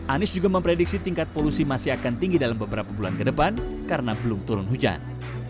anies juga memprediksi tingkat polusi masih akan tinggi dalam beberapa bulan ke depan karena belum turun hujan